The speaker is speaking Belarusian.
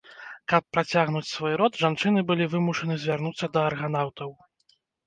Каб працягнуць свой род, жанчыны былі вымушаны звярнуцца да арганаўтаў.